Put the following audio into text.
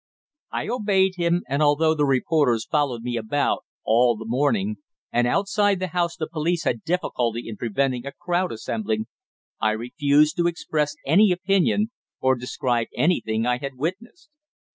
I obeyed him, and although the reporters followed me about all the morning, and outside the house the police had difficulty in preventing a crowd assembling, I refused to express any opinion or describe anything I had witnessed.